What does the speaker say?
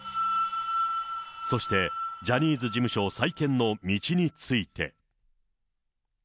そしてジャニーズ事務所再建の道について。